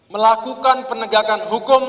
melakukan penegakan hukum